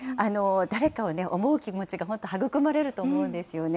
誰かを思う気持ちが本当育まれると思うんですよね。